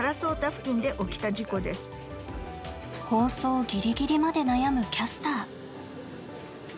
放送ギリギリまで悩むキャスター。